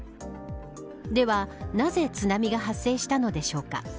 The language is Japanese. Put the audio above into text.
では、なぜ津波が発生したのでしょうか。